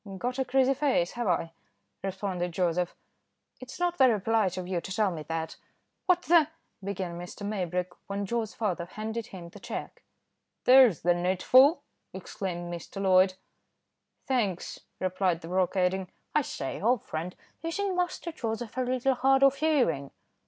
"Got a greasy face, have I?" responded Joseph. "It's not very polite of you to tell me that." "What the " began Mr. Maybrick, when Joe's father handed him the cheque. "There's the needful," exclaimed Mr. Loyd. "Thanks," replied the broker, adding, "I say, old friend isn't Master Joseph a little hard of hearing?"